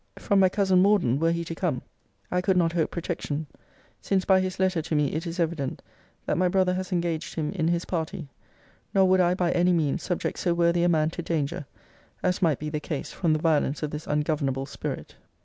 From my cousin Morden, were he to come, I could not hope protection; since, by his letter to me, it is evident, that my brother has engaged him in his party: nor would I, by any means, subject so worthy a man to danger; as might be the case, from the violence of this ungovernable spirit.